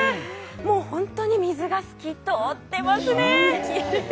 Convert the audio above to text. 本当に水が透き通っていますね。